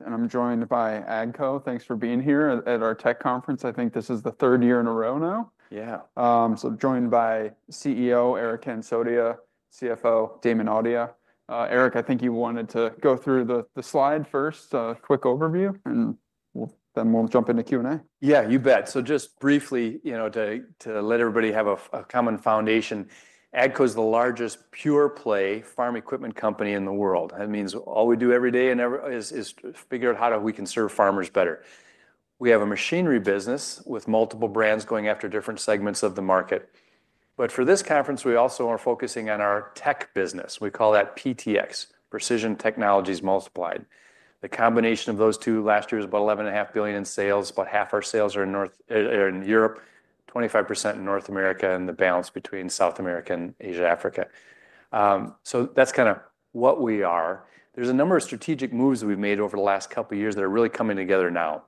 ... and I'm joined by AGCO. Thanks for being here at our tech conference. I think this is the third year in a row now. Yeah. Joined by CEO Eric Hansotia, CFO Damon Audia. Eric, I think you wanted to go through the slide first, a quick overview, and then we'll jump into Q&A. Yeah, you bet. So just briefly, you know, to let everybody have a common foundation, AGCO's the largest pure play farm equipment company in the world. That means all we do every day is to figure out how we can serve farmers better. We have a machinery business with multiple brands going after different segments of the market. But for this conference, we also are focusing on our tech business. We call that PTx, Precision Technologies Multiplied. The combination of those two last year was about $11.5 billion in sales, about half our sales are in Europe, 25% in North America, and the balance between South America and Asia, Africa. So that's kind of what we are. There's a number of strategic moves that we've made over the last couple of years that are really coming together now,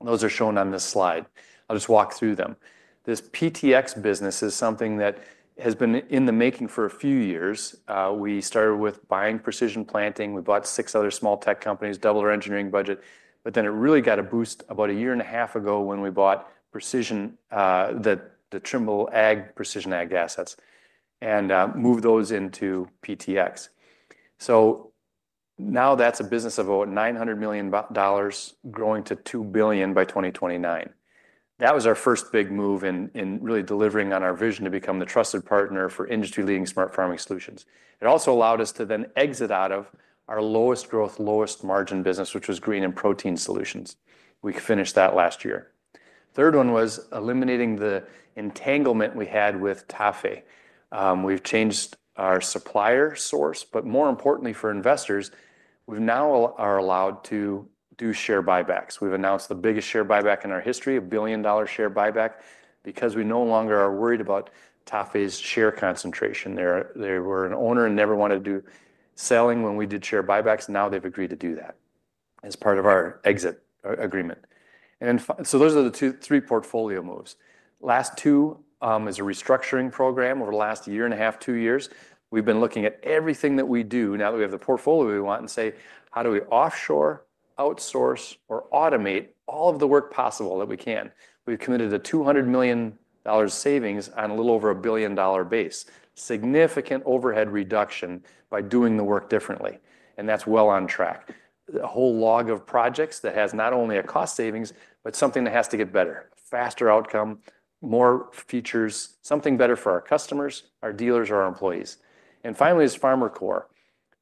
and those are shown on this slide. I'll just walk through them. This PTx business is something that has been in the making for a few years. We started with buying Precision Planting. We bought six other small tech companies, doubled our engineering budget, but then it really got a boost about a year and a half ago when we bought the Trimble Precision Ag assets, and moved those into PTx. So now that's a business of about $900 million, growing to $2 billion by 2029. That was our first big move in really delivering on our vision to become the trusted partner for industry-leading smart farming solutions. It also allowed us to then exit out of our lowest growth, lowest margin business, which was Grain and Protein solutions. We finished that last year. Third one was eliminating the entanglement we had with TAFE. We've changed our supplier source, but more importantly for investors, we now are allowed to do share buybacks. We've announced the biggest share buyback in our history, a $1 billion share buyback, because we no longer are worried about TAFE's share concentration. They were an owner and never wanted to do selling when we did share buybacks. Now they've agreed to do that as part of our exit agreement. And so those are the three portfolio moves. Last two is a restructuring program over the last year and a half, two years. We've been looking at everything that we do, now that we have the portfolio we want, and say, "How do we offshore, outsource, or automate all of the work possible that we can?" We've committed a $200 million savings on a little over a $1 billion base. Significant overhead reduction by doing the work differently, and that's well on track. A whole lot of projects that has not only a cost savings, but something that has to get better, faster outcome, more features, something better for our customers, our dealers, or our employees. And finally, is FarmerCore.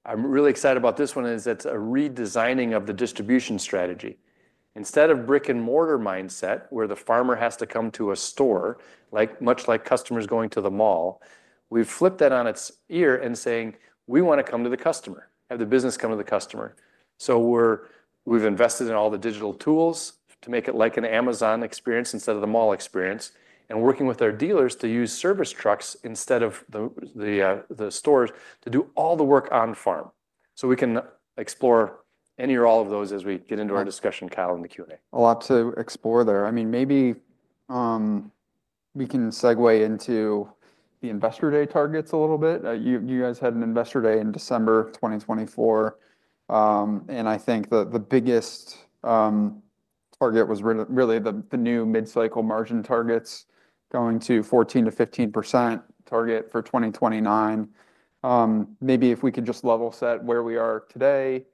I'm really excited about this one, is it's a redesigning of the distribution strategy. Instead of brick-and-mortar mindset, where the farmer has to come to a store, like much like customers going to the mall, we've flipped that on its ear and saying: "We want to come to the customer, have the business come to the customer." So we've invested in all the digital tools to make it like an Amazon experience instead of the mall experience, and working with our dealers to use service trucks instead of the stores to do all the work on-farm. So we can explore any or all of those as we get into our discussion, Kyle, in the Q&A. A lot to explore there. I mean, maybe we can segue into the Investor Day targets a little bit. You guys had an Investor Day in December 2024, and I think the biggest target was really the new mid-cycle margin targets going to 14%-15% target for 2029. Maybe if we could just level set where we are today,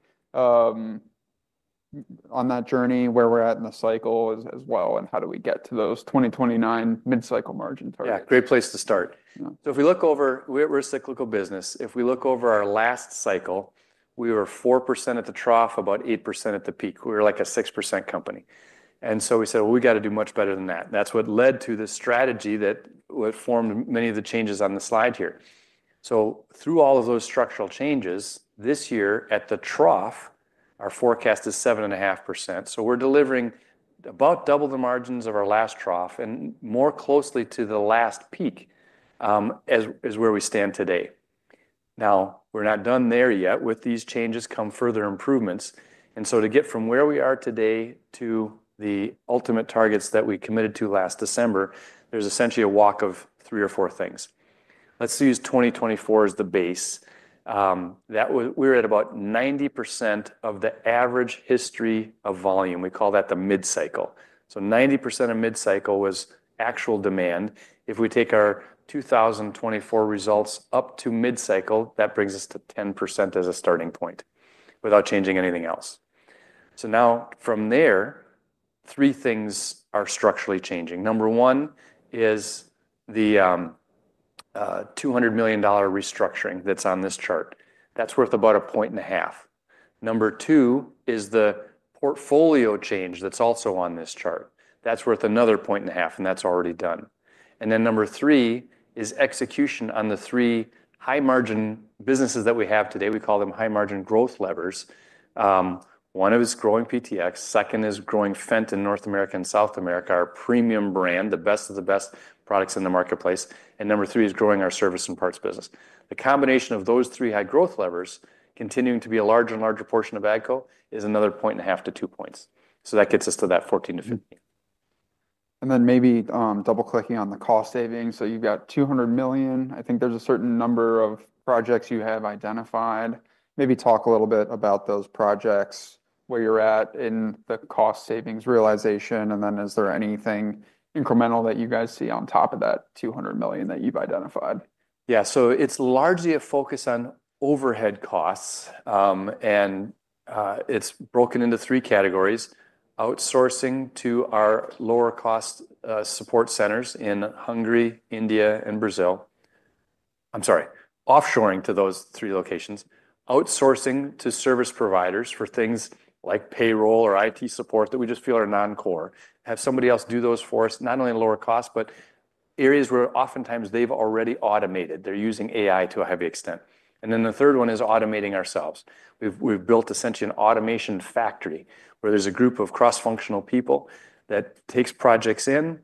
on that journey, where we're at in the cycle as well, and how do we get to those 2029 mid-cycle margin targets? Yeah, great place to start. Yeah. So if we look over, we're a cyclical business. If we look over our last cycle, we were 4% at the trough, about 8% at the peak. We were like a 6% company. And so we said, "Well, we got to do much better than that." That's what led to this strategy that what formed many of the changes on the slide here. So through all of those structural changes, this year, at the trough, our forecast is 7.5%. So we're delivering about double the margins of our last trough, and more closely to the last peak, as where we stand today. Now, we're not done there yet. With these changes come further improvements, and so to get from where we are today to the ultimate targets that we committed to last December, there's essentially a walk of three or four things. Let's use 2024 as the base. We're at about 90% of the average history of volume. We call that the mid-cycle. So 90% of mid-cycle was actual demand. If we take our 2024 results up to mid-cycle, that brings us to 10% as a starting point, without changing anything else. So now, from there, three things are structurally changing. Number one is the $200 million restructuring that's on this chart. That's worth about a point and a half. Number two is the portfolio change that's also on this chart. That's worth another point and a half, and that's already done. And then number three is execution on the three high-margin businesses that we have today. We call them high-margin growth levers. One is growing PTx, second is growing Fendt in North America and South America, our premium brand, the best of the best products in the marketplace, and number three is growing our service and parts business. The combination of those three high-growth levers continuing to be a larger and larger portion of AGCO is another 1.5-2 points. So that gets us to that 14-15.... And then maybe double-clicking on the cost savings. So you've got $200 million. I think there's a certain number of projects you have identified. Maybe talk a little bit about those projects, where you're at in the cost savings realization, and then is there anything incremental that you guys see on top of that $200 million that you've identified? Yeah. So it's largely a focus on overhead costs, and it's broken into three categories: outsourcing to our lower cost support centers in Hungary, India, and Brazil. I'm sorry, offshoring to those three locations. Outsourcing to service providers for things like payroll or IT support that we just feel are non-core. Have somebody else do those for us, not only at a lower cost, but areas where oftentimes they've already automated. They're using AI to a heavy extent. And then the third one is automating ourselves. We've built essentially an automation factory, where there's a group of cross-functional people that takes projects in,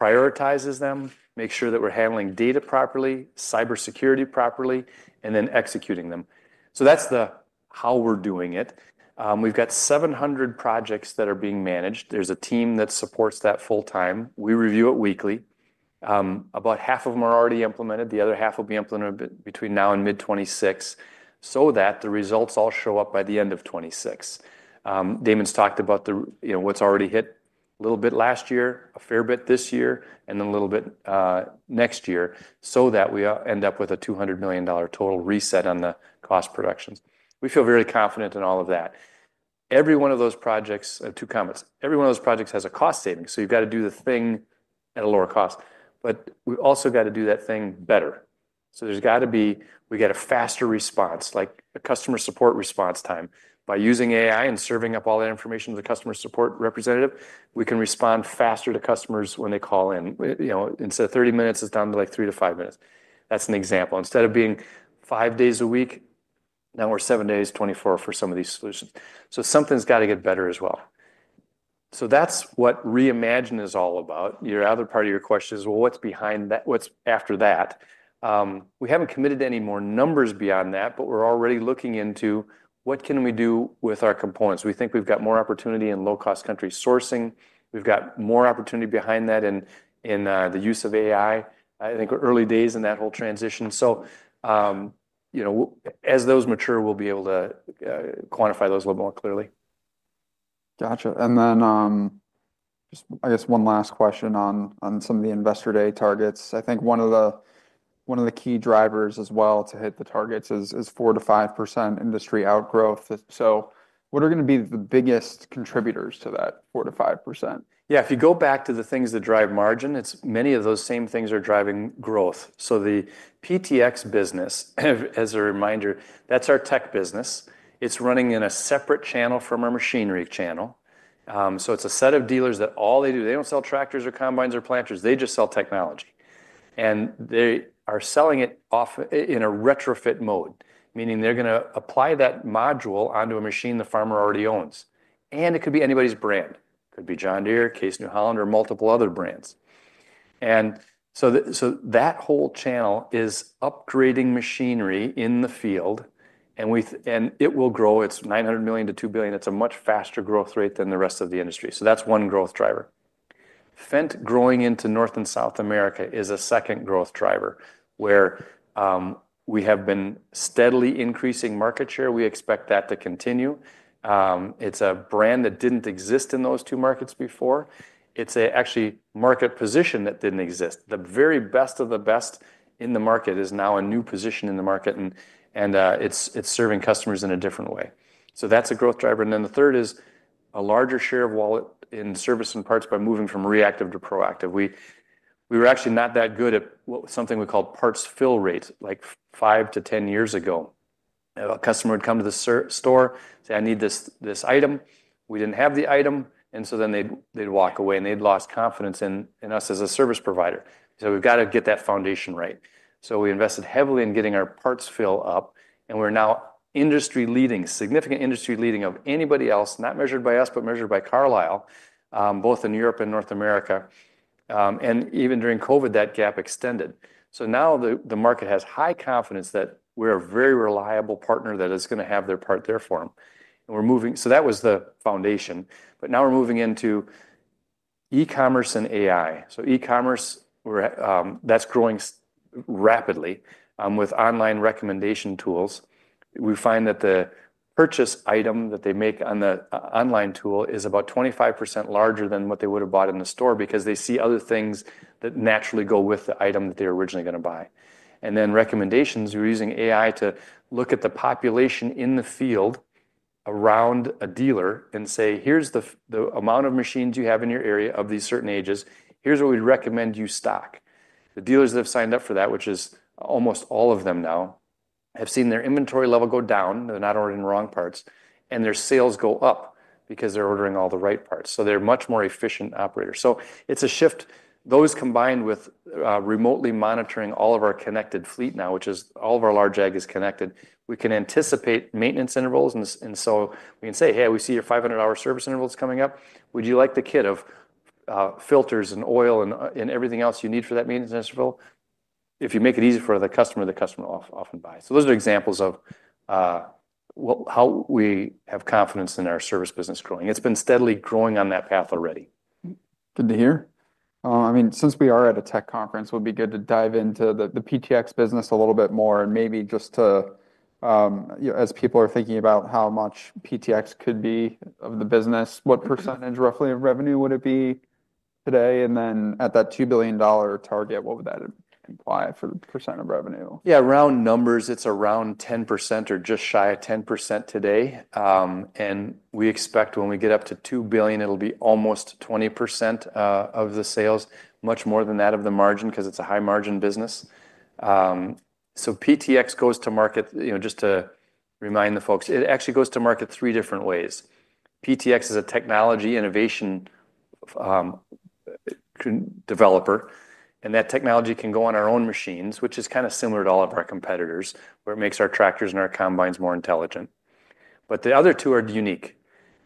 prioritizes them, make sure that we're handling data properly, cybersecurity properly, and then executing them. So that's the how we're doing it. We've got 700 projects that are being managed. There's a team that supports that full-time. We review it weekly. About half of them are already implemented, the other half will be implemented between now and mid-2026, so that the results all show up by the end of 2026. Damon's talked about the, you know, what's already hit a little bit last year, a fair bit this year, and then a little bit next year, so that we end up with a $200 million total reset on the cost productions. We feel very confident in all of that. Every one of those projects, two comments, every one of those projects has a cost saving, so you've got to do the thing at a lower cost, but we've also got to do that thing better. So there's got to be we get a faster response, like a customer support response time. By using AI and serving up all that information to the customer support representative, we can respond faster to customers when they call in. You know, instead of 30 minutes, it's down to, like, 3 to 5 minutes. That's an example. Instead of being 5 days a week, now we're 7 days, 24, for some of these solutions. So something's got to get better as well. So that's what reimagine is all about. Your other part of your question is, well, what's behind that? What's after that? We haven't committed to any more numbers beyond that, but we're already looking into what can we do with our components. We think we've got more opportunity in low-cost country sourcing. We've got more opportunity behind that in the use of AI. I think we're early days in that whole transition. So, you know, as those mature, we'll be able to quantify those a little more clearly. Gotcha. And then, just I guess one last question on some of the Investor Day targets. I think one of the key drivers as well to hit the targets is 4%-5% industry outgrowth. So what are gonna be the biggest contributors to that 4%-5%? Yeah, if you go back to the things that drive margin, it's many of those same things are driving growth. So the PTx business, as a reminder, that's our tech business. It's running in a separate channel from our machinery channel. So it's a set of dealers that all they do they don't sell tractors or combines or planters, they just sell technology. And they are selling it in a retrofit mode, meaning they're gonna apply that module onto a machine the farmer already owns, and it could be anybody's brand. Could be John Deere, Case New Holland, or multiple other brands. And so that whole channel is upgrading machinery in the field, and it will grow. It's $900 million-$2 billion. It's a much faster growth rate than the rest of the industry. So that's one growth driver. Fendt growing into North and South America is a second growth driver, where we have been steadily increasing market share. We expect that to continue. It's a brand that didn't exist in those two markets before. It's actually market position that didn't exist. The very best of the best in the market is now a new position in the market, and it's serving customers in a different way. So that's a growth driver. And then the third is a larger share of wallet in service and parts by moving from reactive to proactive. We were actually not that good at something we call parts fill rate, like five to ten years ago. A customer would come to the service store, say, "I need this, this item." We didn't have the item, and so then they'd walk away, and they'd lost confidence in us as a service provider, so we've got to get that foundation right. We invested heavily in getting our parts fill rate up, and we're now industry-leading, significantly industry leading ahead of anybody else, not measured by us, but measured by Carlisle, both in Europe and North America. And even during COVID, that gap extended, so now the market has high confidence that we're a very reliable partner that is gonna have their part there for them. And we're moving. So that was the foundation, but now we're moving into e-commerce and AI. E-commerce, we're, that's growing so rapidly with online recommendation tools. We find that the purchase item that they make on the online tool is about 25% larger than what they would have bought in the store because they see other things that naturally go with the item that they were originally gonna buy. And then recommendations, we're using AI to look at the population in the field around a dealer and say, "Here's the amount of machines you have in your area of these certain ages. Here's what we'd recommend you stock." The dealers that have signed up for that, which is almost all of them now, have seen their inventory level go down, they're not ordering the wrong parts, and their sales go up because they're ordering all the right parts. So they're a much more efficient operator. So it's a shift. Those, combined with remotely monitoring all of our connected fleet now, which is all of our large ag is connected, we can anticipate maintenance intervals, and so we can say, "Hey, we see your 500-hour service interval is coming up. Would you like the kit of filters and oil and everything else you need for that maintenance interval?" If you make it easy for the customer, the customer will often buy. So those are examples of what, how we have confidence in our service business growing. It's been steadily growing on that path already. Good to hear. I mean, since we are at a tech conference, it would be good to dive into the PTx business a little bit more, and maybe just to, you know, as people are thinking about how much PTx could be of the business, what percentage, roughly, of revenue would it be today? And then at that $2 billion target, what would that imply for the % of revenue? Yeah, round numbers, it's around 10% or just shy of 10% today, and we expect when we get up to $2 billion, it'll be almost 20% of the sales, much more than that of the margin, 'cause it's a high-margin business, so PTx goes to market, you know, just to remind the folks, it actually goes to market three different ways. PTx is a technology innovation developer, and that technology can go on our own machines, which is kind of similar to all of our competitors, where it makes our tractors and our combines more intelligent. But the other two are unique.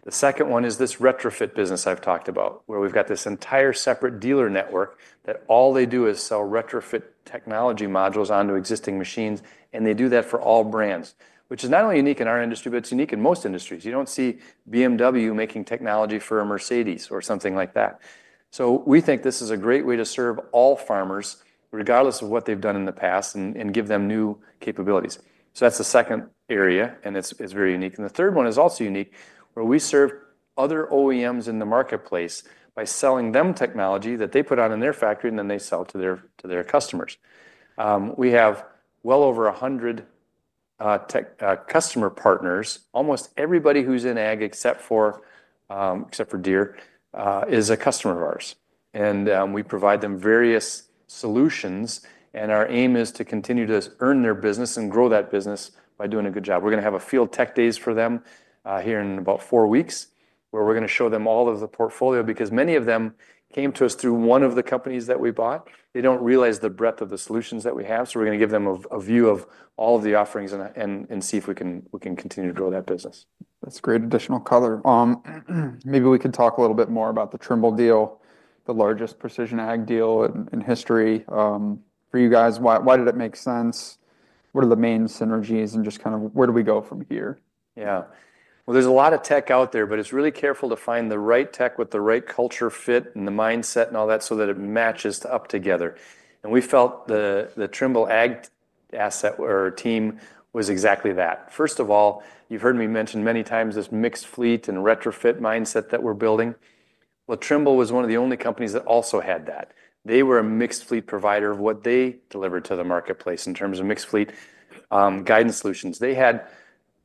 The second one is this retrofit business I've talked about, where we've got this entire separate dealer network that all they do is sell retrofit technology modules onto existing machines, and they do that for all brands. Which is not only unique in our industry, but it's unique in most industries. You don't see BMW making technology for a Mercedes or something like that. So we think this is a great way to serve all farmers, regardless of what they've done in the past, and give them new capabilities. So that's the second area, and it's very unique. The third one is also unique, where we serve other OEMs in the marketplace by selling them technology that they put out in their factory, and then they sell to their customers. We have well over 100 tech customer partners. Almost everybody who's in ag, except for Deere, is a customer of ours. We provide them various solutions, and our aim is to continue to earn their business and grow that business by doing a good job. We're gonna have a field tech days for them here in about four weeks, where we're gonna show them all of the portfolio, because many of them came to us through one of the companies that we bought. They don't realize the breadth of the solutions that we have, so we're gonna give them a view of all of the offerings and see if we can continue to grow that business. That's great additional color. Maybe we could talk a little bit more about the Trimble deal, the largest precision ag deal in history. For you guys, why did it make sense? What are the main synergies, and just kind of where do we go from here? Yeah. Well, there's a lot of tech out there, but it's really careful to find the right tech with the right culture fit and the mindset and all that, so that it matches up together. And we felt the Trimble ag asset or team was exactly that. First of all, you've heard me mention many times this mixed fleet and retrofit mindset that we're building. Well, Trimble was one of the only companies that also had that. They were a mixed fleet provider of what they delivered to the marketplace in terms of mixed fleet, guidance solutions. They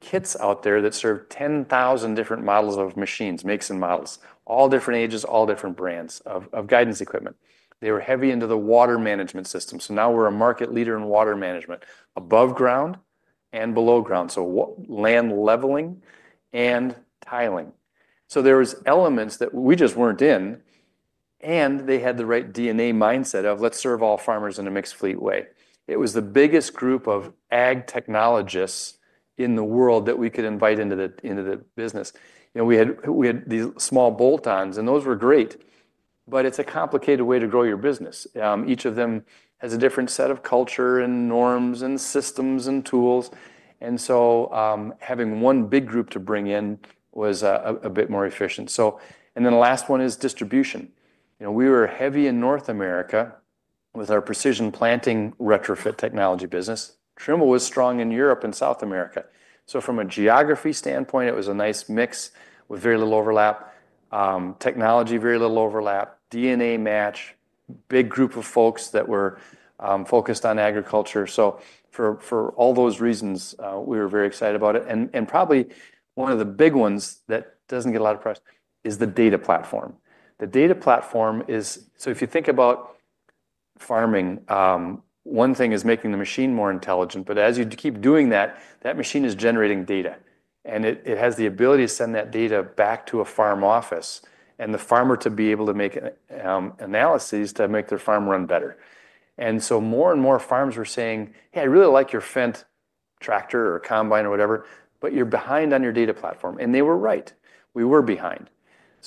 had kits out there that served 10,000 different models of machines, makes and models, all different ages, all different brands of guidance equipment. They were heavy into the water management system, so now we're a market leader in water management, above ground and below ground, so with land leveling and tiling. There was elements that we just weren't in, and they had the right DNA mindset of: Let's serve all farmers in a mixed fleet way. It was the biggest group of ag technologists in the world that we could invite into the business. You know, we had these small bolt-ons, and those were great, but it's a complicated way to grow your business. Each of them has a different set of culture, and norms, and systems, and tools, and so, having one big group to bring in was a bit more efficient. And then the last one is distribution. You know, we were heavy in North America with our Precision Planting retrofit technology business. Trimble was strong in Europe and South America. So from a geography standpoint, it was a nice mix with very little overlap. Technology, very little overlap. DNA match, big group of folks that were focused on agriculture. So for all those reasons, we were very excited about it. And probably one of the big ones that doesn't get a lot of press is the data platform. The data platform is. So if you think about farming, one thing is making the machine more intelligent, but as you keep doing that, that machine is generating data, and it has the ability to send that data back to a farm office and the farmer to be able to make analyses to make their farm run better. More and more farmers are saying: "Hey, I really like your Fendt tractor or combine or whatever, but you're behind on your data platform." They were right. We were behind.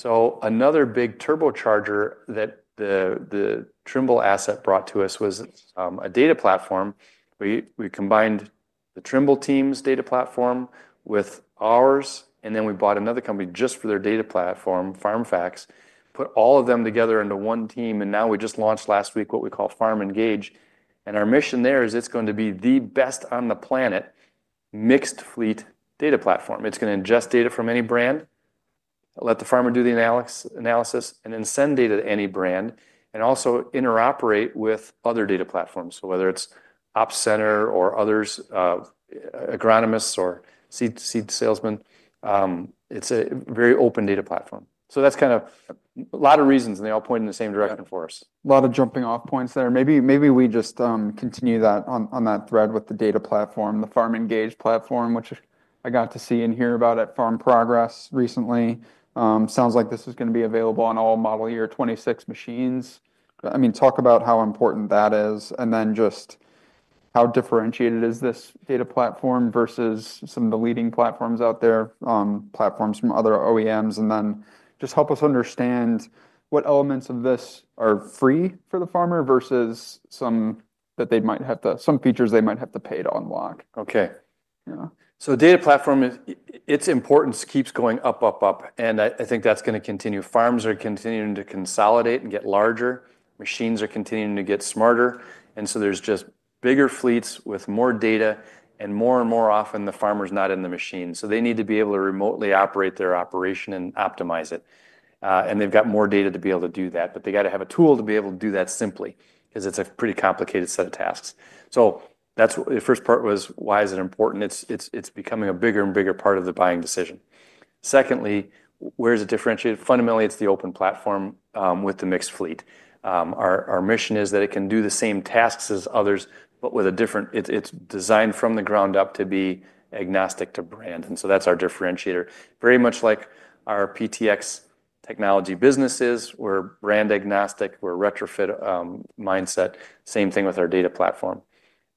Another big turbocharger that the Trimble asset brought to us was a data platform. We combined the Trimble team's data platform with ours, and then we bought another company just for their data platform, FarmFacts, put all of them together into one team, and now we just launched last week what we call FarmEngage. Our mission there is it's going to be the best on the planet, mixed fleet data platform. It's gonna ingest data from any brand, let the farmer do the analysis, and then send data to any brand, and also interoperate with other data platforms, so whether it's Op Center or others, agronomists or seed salesmen. It's a very open data platform. So that's kind of a lot of reasons, and they all point in the same direction for us. Yeah. A lot of jumping-off points there. Maybe we just continue that, on that thread with the data platform, the FarmEngage platform, which I got to see and hear about at Farm Progress recently. Sounds like this is gonna be available on all model year '26 machines. I mean, talk about how important that is, and then just how differentiated is this data platform versus some of the leading platforms out there, platforms from other OEMs? And then just help us understand what elements of this are free for the farmer versus some that they might have to, some features they might have to pay to unlock. Okay. Yeah. So the data platform, its importance keeps going up, up, up, and I think that's gonna continue. Farms are continuing to consolidate and get larger. Machines are continuing to get smarter, and so there's just bigger fleets with more data, and more and more often, the farmer's not in the machine. So they need to be able to remotely operate their operation and optimize it. And they've got more data to be able to do that, but they've got to have a tool to be able to do that simply, 'cause it's a pretty complicated set of tasks. So that's the first part was: Why is it important? It's becoming a bigger and bigger part of the buying decision. Secondly, where is it differentiated? Fundamentally, it's the open platform with the mixed fleet. Our mission is that it can do the same tasks as others, but with a different... It's designed from the ground up to be agnostic to brand, and so that's our differentiator. Very much like our PTx technology businesses, we're brand agnostic, we're a retrofit mindset. Same thing with our data platform.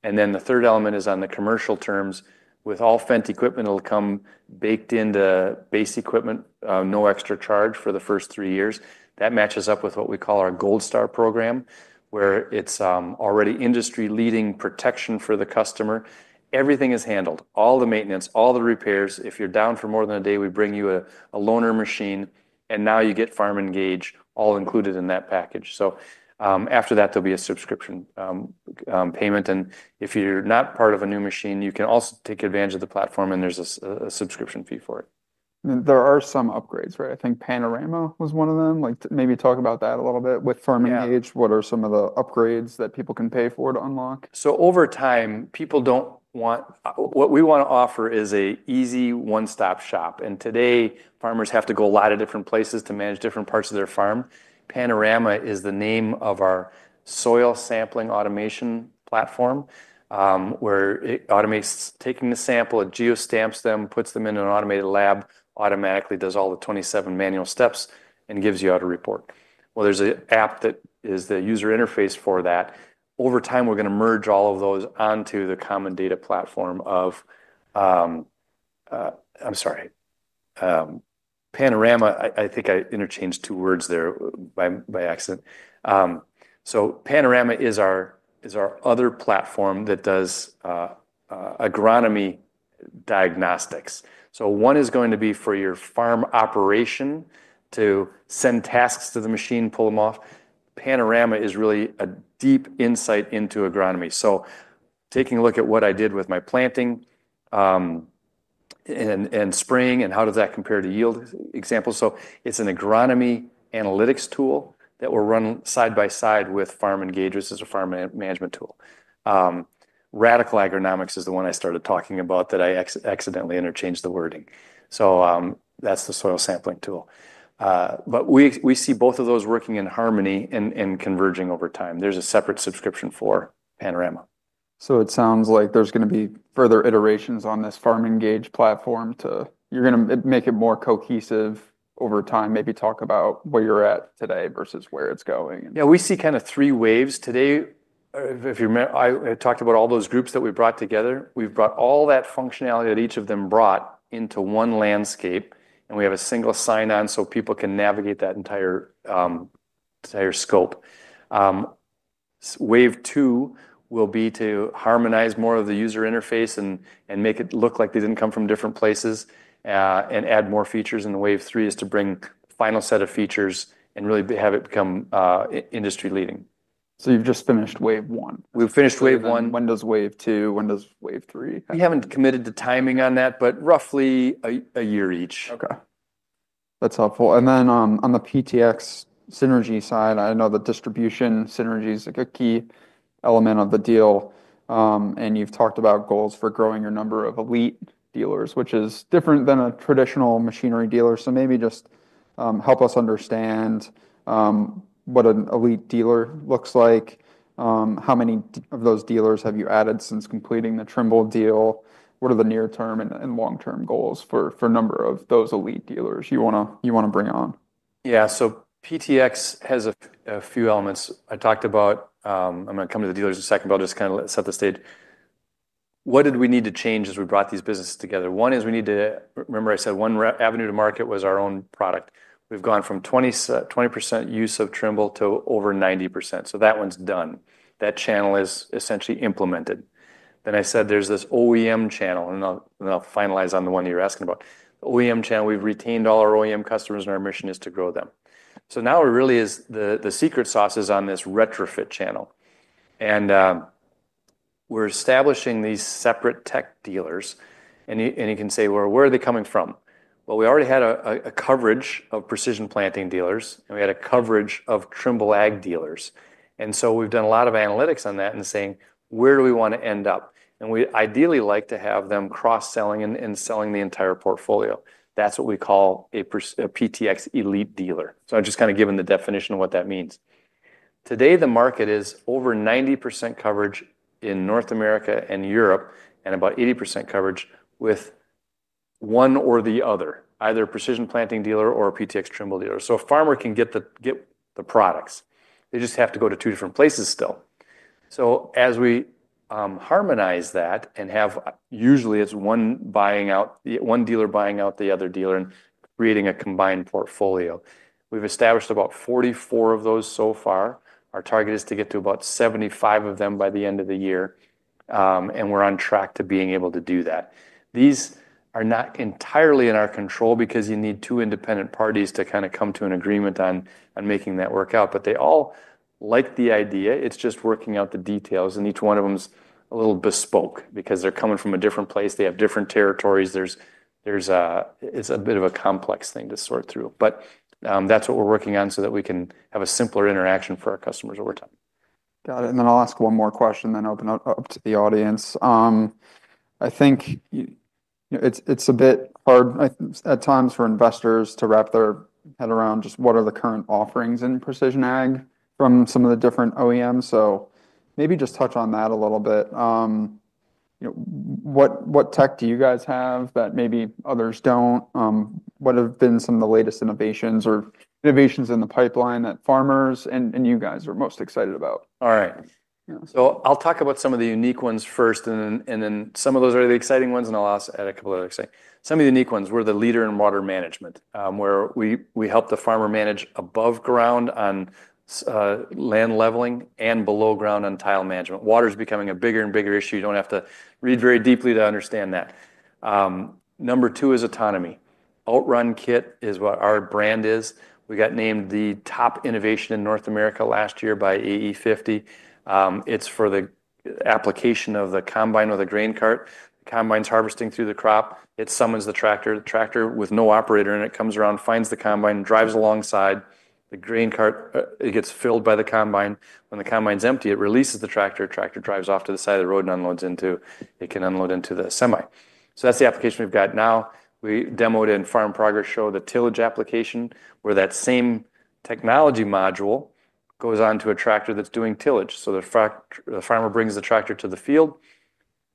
And then the third element is on the commercial terms. With all Fendt equipment, it'll come baked into base equipment, no extra charge for the first three years. That matches up with what we call our Gold Star program, where it's already industry-leading protection for the customer. Everything is handled, all the maintenance, all the repairs. If you're down for more than a day, we bring you a loaner machine, and now you get FarmEngage all included in that package. So, after that, there'll be a subscription payment, and if you're not part of a new machine, you can also take advantage of the platform, and there's a subscription fee for it. There are some upgrades, right? I think Panorama was one of them. Like, maybe talk about that a little bit. With FarmEngage- Yeah... what are some of the upgrades that people can pay for to unlock? So over time, people don't want what we want to offer is a easy one-stop shop, and today, farmers have to go a lot of different places to manage different parts of their farm. Panorama is the name of our soil sampling automation platform, where it automates taking the sample, it geo-stamps them, puts them in an automated lab, automatically does all the twenty-seven manual steps and gives you out a report. Well, there's an app that is the user interface for that. Over time, we're going to merge all of those onto the common data platform of, I'm sorry. Panorama, I think I interchanged two words there by accident. So Panorama is our other platform that does agronomy diagnostics. One is going to be for your farm operation, to send tasks to the machine, pull them off. Panorama is really a deep insight into agronomy. Taking a look at what I did with my planting, and spraying, and how does that compare to yield examples. It's an agronomy analytics tool that will run side by side with FarmEngage as a farm management tool. Radicle Agronomics is the one I started talking about, that I accidentally interchanged the wording. That's the soil sampling tool. But we see both of those working in harmony and converging over time. There's a separate subscription for Panorama. So it sounds like there's gonna be further iterations on this FarmEngage platform to... You're gonna make it more cohesive over time. Maybe talk about where you're at today versus where it's going. Yeah, we see kind of three waves. Today, if you remember, I talked about all those groups that we brought together. We've brought all that functionality that each of them brought into one landscape, and we have a single sign-on so people can navigate that entire scope. Wave two will be to harmonize more of the user interface and make it look like they didn't come from different places and add more features. And wave three is to bring final set of features and really have it become industry-leading. So you've just finished wave one? We've finished wave one. When does wave two, when does wave three? We haven't committed to timing on that, but roughly a year each. Okay. That's helpful. And then, on the PTx synergy side, I know the distribution synergy is, like, a key element of the deal. And you've talked about goals for growing your number of elite dealers, which is different than a traditional machinery dealer. So maybe just, help us understand, what an elite dealer looks like. How many of those dealers have you added since completing the Trimble deal? What are the near-term and long-term goals for number of those elite dealers you wanna bring on? Yeah, so PTx has a few elements. I talked about. I'm gonna come to the dealers in a second, but I'll just kind of set the stage. What did we need to change as we brought these businesses together? One is we need to remember I said one avenue to market was our own product. We've gone from 20% use of Trimble to over 90%, so that one's done. That channel is essentially implemented. Then I said there's this OEM channel, and I'll finalize on the one you're asking about. OEM channel, we've retained all our OEM customers, and our mission is to grow them. So now it really is the secret sauce is on this retrofit channel, and we're establishing these separate tech dealers. You can say: "Well, where are they coming from?" We already had a coverage of Precision Planting dealers, and we had a coverage of Trimble Ag dealers, and so we've done a lot of analytics on that and saying: "Where do we want to end up?" We ideally like to have them cross-selling and selling the entire portfolio. That's what we call a PTx elite dealer. I've just kind of given the definition of what that means. Today, the market is over 90% coverage in North America and Europe, and about 80% coverage with one or the other, either a Precision Planting dealer or a PTx Trimble dealer. A farmer can get the products; they just have to go to two different places still. As we harmonize that and usually it's one buying out the one dealer buying out the other dealer and creating a combined portfolio. We've established about 44 of those so far. Our target is to get to about 75 of them by the end of the year, and we're on track to being able to do that. These are not entirely in our control because you need two independent parties to kind of come to an agreement on making that work out, but they all like the idea. It's just working out the details, and each one of them is a little bespoke because they're coming from a different place, they have different territories. There's a bit of a complex thing to sort through. But, that's what we're working on so that we can have a simpler interaction for our customers over time. Got it, and then I'll ask one more question, then open up to the audience. I think, you know, it's a bit hard at times for investors to wrap their head around just what are the current offerings in precision ag from some of the different OEMs. So maybe just touch on that a little bit. You know, what tech do you guys have that maybe others don't? What have been some of the latest innovations in the pipeline that farmers and you guys are most excited about? All right. Yeah. I'll talk about some of the unique ones first, and then some of those are the exciting ones, and I'll add a couple other exciting. Some of the unique ones, we're the leader in water management, where we help the farmer manage above ground on land leveling and below ground on tile management. Water is becoming a bigger and bigger issue. You don't have to read very deeply to understand that. Number two is autonomy. Outrun kit is what our brand is. We got named the top innovation in North America last year by AE50. It's for the application of the combine or the grain cart. The combine's harvesting through the crop, it summons the tractor, the tractor with no operator, and it comes around, finds the combine, drives alongside. The grain cart, it gets filled by the combine. When the combine's empty, it releases the tractor. Tractor drives off to the side of the road and unloads into... It can unload into the semi. So that's the application we've got now. We demoed in Farm Progress Show the tillage application, where that same technology module goes on to a tractor that's doing tillage. So the farmer brings the tractor to the field,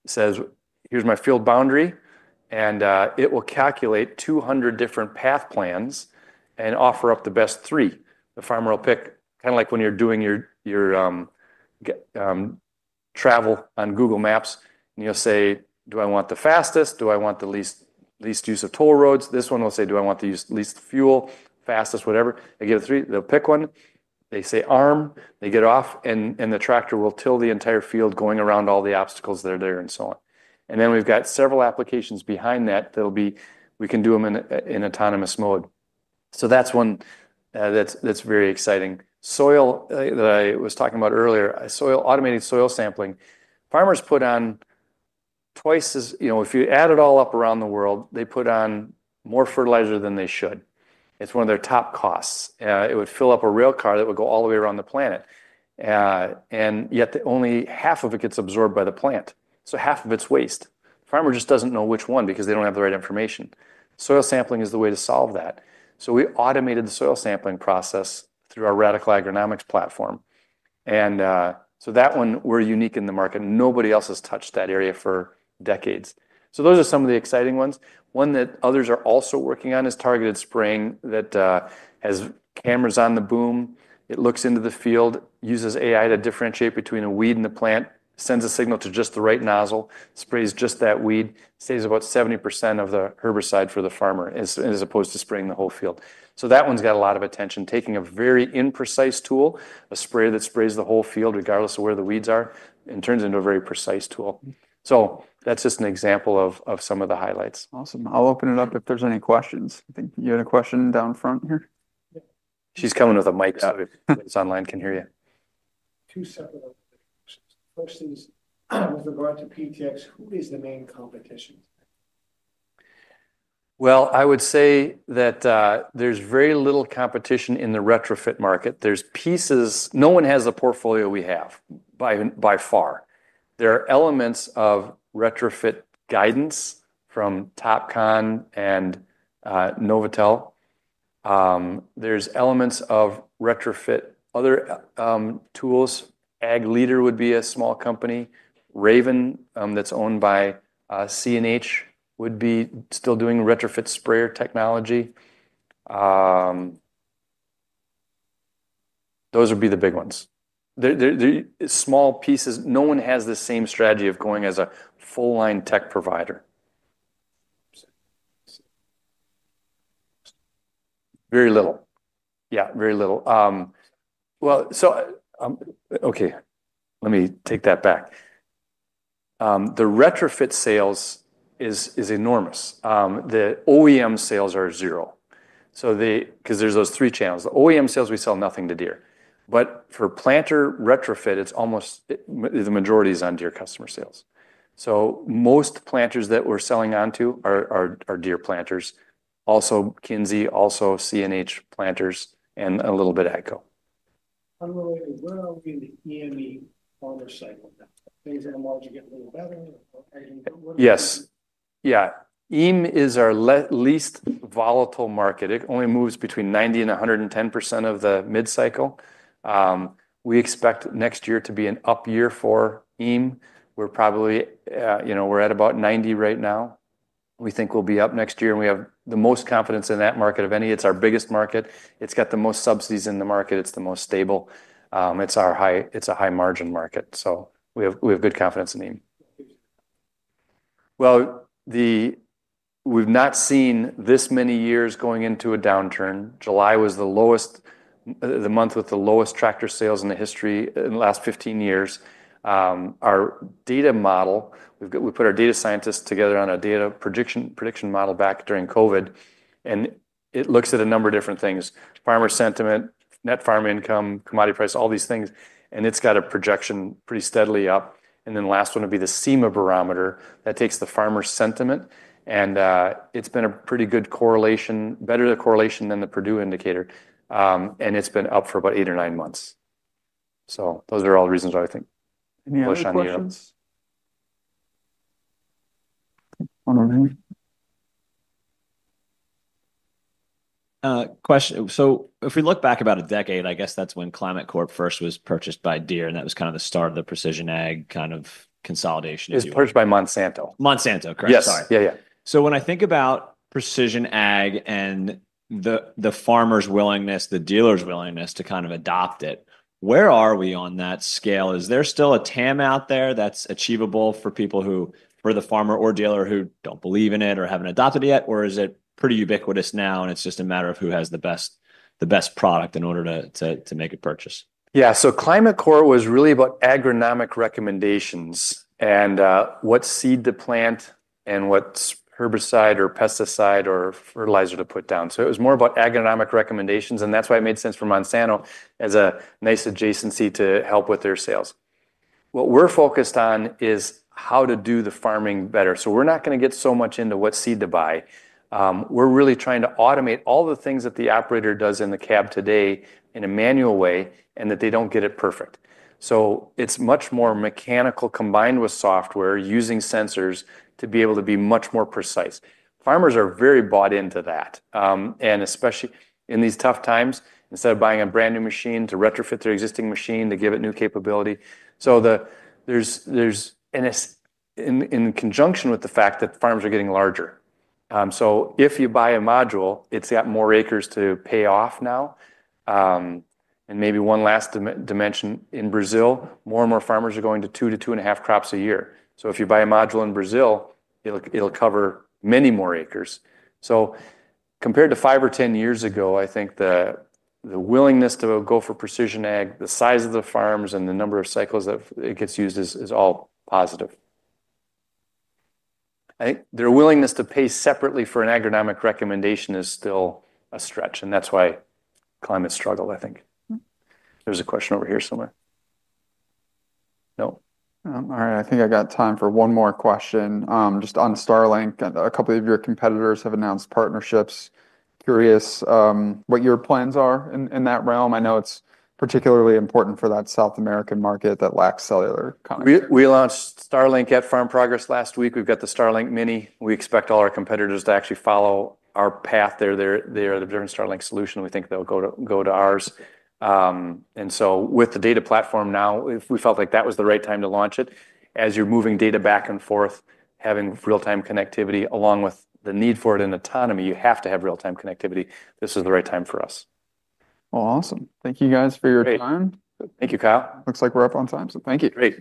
says: "Here's my field boundary," and it will calculate 200 different path plans and offer up the best three. The farmer will pick, kind of like when you're doing your travel on Google Maps, and you'll say: "Do I want the fastest? Do I want the least use of toll roads?" This one will say: "Do I want to use the least fuel, fastest, whatever?" They get three, they'll pick one, they say, "Arm," they get off, and the tractor will till the entire field, going around all the obstacles that are there and so on. And then we've got several applications behind that. There'll be we can do them in autonomous mode. So that's one, that's very exciting. Soil that I was talking about earlier, soil automated soil sampling. Farmers put on twice as... You know, if you add it all up around the world, they put on more fertilizer than they should. It's one of their top costs. It would fill up a rail car that would go all the way around the planet. And yet only half of it gets absorbed by the plant, so half of it's waste. The farmer just doesn't know which one because they don't have the right information. Soil sampling is the way to solve that. So we automated the soil sampling process through our Radicle Agronomics platform, and so that one, we're unique in the market. Nobody else has touched that area for decades. So those are some of the exciting ones. One that others are also working on is targeted spraying, that has cameras on the boom. It looks into the field, uses AI to differentiate between a weed and a plant, sends a signal to just the right nozzle, sprays just that weed, saves about 70% of the herbicide for the farmer, as opposed to spraying the whole field. That one's got a lot of attention, taking a very imprecise tool, a sprayer that sprays the whole field, regardless of where the weeds are, and turns into a very precise tool. That's just an example of some of the highlights. Awesome. I'll open it up if there's any questions. I think you had a question down front here? She's coming with a mic- Got it. so those online can hear you. Two separate questions. First is, with regard to PTx, who is the main competition? Well, I would say that, there's very little competition in the retrofit market. There's pieces... No one has the portfolio we have, by far. There are elements of retrofit guidance from Topcon and, NovAtel. There's elements of retrofit, other tools. Ag Leader would be a small company. Raven, that's owned by CNH, would be still doing retrofit sprayer technology. Those would be the big ones. There are small pieces. No one has the same strategy of going as a full line tech provider. Very little. Yeah, very little. Well, so... Okay, let me take that back. The retrofit sales is enormous. The OEM sales are zero. So because there's those three channels. The OEM sales, we sell nothing to Deere, but for planter retrofit, it's almost the majority is on Deere customer sales. Most planters that we're selling onto are Deere planters. Also Kinze, also CNH planters, and a little bit of AGCO. Unrelated, where are we in the EME order cycle now? Things in the margin getting a little better or- Yes. Yeah, EME is our least volatile market. It only moves between 90% and 110% of the mid-cycle. We expect next year to be an up year for EME. We're probably, you know, we're at about 90 right now. We think we'll be up next year, and we have the most confidence in that market of any. It's our biggest market. It's got the most subsidies in the market. It's the most stable. It's a high-margin market, so we have good confidence in EME. We've not seen this many years going into a downturn. July was the lowest, the month with the lowest tractor sales in the history in the last 15 years. Our data model, we put our data scientists together on a data prediction model back during COVID, and it looks at a number of different things: farmer sentiment, net farm income, commodity price, all these things, and it's got a projection pretty steadily up, then the last one would be the CEMA Barometer. That takes the farmer sentiment, and it's been a pretty good correlation, better the correlation than the Purdue indicator, and it's been up for about eight or nine months. So those are all reasons why I think- Any other questions? push on the EME. One over here. Question, so if we look back about a decade, I guess that's when Climate Corp first was purchased by Deere, and that was kind of the start of the precision ag kind of consolidation. It was purchased by Monsanto. Monsanto, correct. Yes. Sorry. Yeah, yeah. So when I think about precision ag and the farmer's willingness, the dealer's willingness to kind of adopt it, where are we on that scale? Is there still a TAM out there that's achievable for the farmer or dealer who don't believe in it or haven't adopted it yet? Or is it pretty ubiquitous now, and it's just a matter of who has the best product in order to make a purchase? Yeah. So Climate Corp was really about agronomic recommendations and what seed to plant and what herbicide or pesticide or fertilizer to put down. So it was more about agronomic recommendations, and that's why it made sense for Monsanto as a nice adjacency to help with their sales. What we're focused on is how to do the farming better. So we're not gonna get so much into what seed to buy. We're really trying to automate all the things that the operator does in the cab today in a manual way, and that they don't get it perfect. So it's much more mechanical, combined with software, using sensors, to be able to be much more precise. Farmers are very bought into that. And especially in these tough times, instead of buying a brand-new machine, to retrofit their existing machine, to give it new capability. So there's, and it's in conjunction with the fact that farms are getting larger. So if you buy a module, it's got more acres to pay off now. And maybe one last dimension, in Brazil, more and more farmers are going to two to two and a half crops a year. So if you buy a module in Brazil, it'll cover many more acres. So compared to five or 10 years ago, I think the willingness to go for precision ag, the size of the farms and the number of cycles that it gets used is all positive. I think their willingness to pay separately for an agronomic recommendation is still a stretch, and that's why Climate struggled, I think. There was a question over here somewhere. No? All right. I think I got time for one more question. Just on Starlink, and a couple of your competitors have announced partnerships. Curious, what your plans are in that realm? I know it's particularly important for that South American market that lacks cellular connectivity. We launched Starlink at Farm Progress last week. We've got the Starlink Mini. We expect all our competitors to actually follow our path. They're the different Starlink solution, we think they'll go to ours. And so with the data platform now, we felt like that was the right time to launch it. As you're moving data back and forth, having real-time connectivity, along with the need for it in autonomy, you have to have real-time connectivity. This is the right time for us. Awesome. Thank you, guys, for your time. Great. Thank you, Kyle. Looks like we're up on time, so thank you. Great.